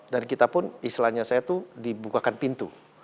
dan kita pun istilahnya saya itu dibukakan pintu